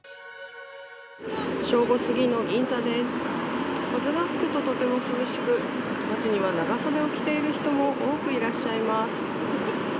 正午過ぎの銀座です、風が吹くととても涼しく、長袖を着ている人も多くいらっしゃいます。